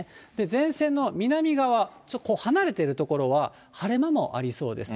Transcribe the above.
前線の南側、離れている所は晴れ間もありそうです。